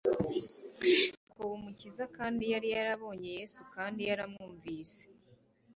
bakoba Umukiza. Yari yarabonye Yesu kandi yaramwumvise,